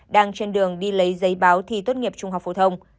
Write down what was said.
đang trên đường đi lấy giấy báo thi tốt nghiệp trung học phổ thông